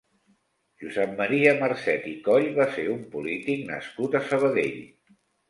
Josep Maria Marcet i Coll va ser un polític nascut a Sabadell.